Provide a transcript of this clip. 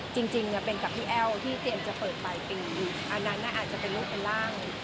จริงจริงเนี้ยเป็นกับพี่แอลที่เตรียมจะเปิดไปอันนั้นอาจจะเป็นรูปเป็นร่าง